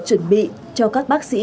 chuẩn bị cho các bác sĩ